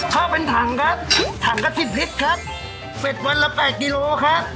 ข้าวเป็นถังครับถังกะทิพริกครับเป็ดวันละแปดกิโลครับ